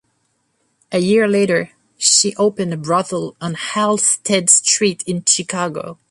A year later, she opened a brothel on Halsted Street in Chicago.